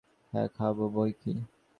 সে জোর করিয়া মুখ তুলিয়া বলিল, হাঁ খাব বৈকি।